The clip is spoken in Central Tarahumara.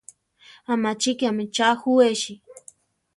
¿Amachíkiame tza ju echi?